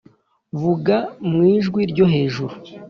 vuga mu ijwi ryo hejuru .